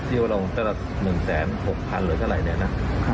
ที่เราลงตลาด๑๖๐๐๐๐๐บาทหรือเท่าไรนี่นะ